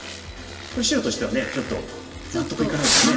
これ白としてはねちょっと納得いかないですよね。